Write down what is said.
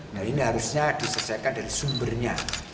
nah ini harusnya diselesaikan dari sumbernya